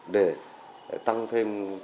để tăng thêm